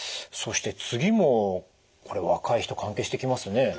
そして次もこれ若い人関係してきますね。